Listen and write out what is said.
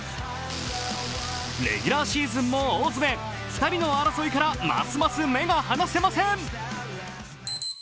レギュラーシーズンも大詰め、２人の争いからますます目が離せません。